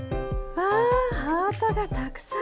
わぁハートがたくさん！